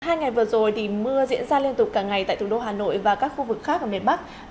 trong hai ngày vừa rồi thì mưa diễn ra liên tục cả ngày tại thủ đô hà nội và các khu vực khác ở miền bắc